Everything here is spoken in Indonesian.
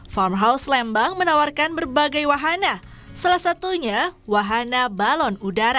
farmhouse lembang menawarkan berbagai wahana salah satunya wahana balon udara